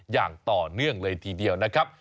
อย่างต่อเนื่องเลยทีเดียวนะครับ